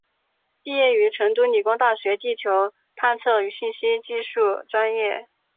毕业于成都理工大学地球探测与信息技术专业。